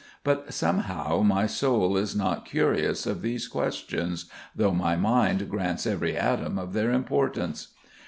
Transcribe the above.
But somehow my soul is not curious of these questions, though my mind grants every atom of their importance.